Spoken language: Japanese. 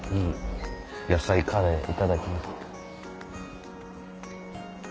野菜カレーいただきます。